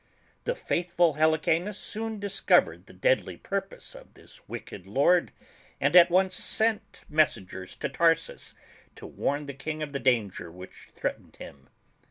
The faithful Helicanus soon discovered the deadly purpose of this wicked lord, and at once sent messengers to Tarsus to warn the king of the danger which threatened him.